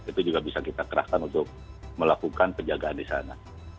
itu juga bisa kita kerahkan untuk melakukan penjagaan di sana